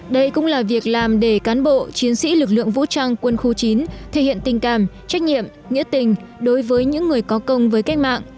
đây cũng là việc làm để cán bộ chiến sĩ lực lượng vũ trang quân khu chín thể hiện tình cảm trách nhiệm nghĩa tình đối với những người có công với cách mạng